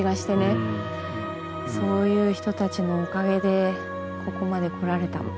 そういう人たちのおかげでここまで来られた。